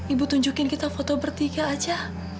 ibu tunjukin kita foto bertiga aja